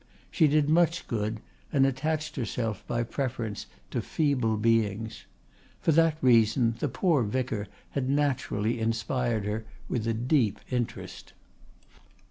She did much good, and attached herself, by preference, to feeble beings. For that reason the poor vicar had naturally inspired her with a deep interest.